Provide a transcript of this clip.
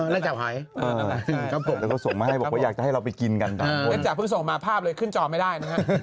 ล้อมที่เต็มที่